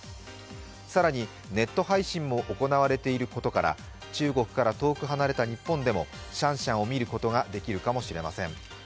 更に、ネット配信も行われていることから、中国から遠く離れた日本でもシャンシャンを見ることができるかもしれません。